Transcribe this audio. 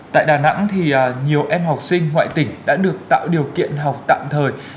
tại đà nẵng nhiều em học sinh ngoại tỉnh đã được tạo điều kiện học tạm thời